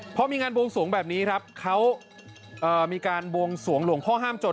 พอมีงานบวงสวงแบบนี้ครับเขามีการบวงสวงหลวงพ่อห้ามจน